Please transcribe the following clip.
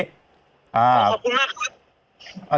ขอบคุณมากครับ